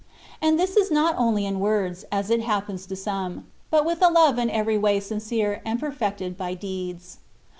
And this is not only in words (as it happens in some), but with a love in every way sincere, and perfected by deeds.